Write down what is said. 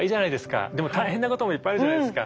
でも大変なこともいっぱいあるじゃないですか。